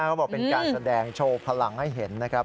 เขาบอกเป็นการแสดงโชว์พลังให้เห็นนะครับ